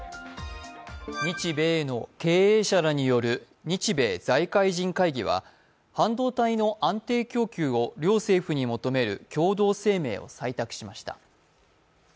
日米の経営者らによる日米財界人会議は半導体の安定供給を両政府に求める共同声明を採択しました。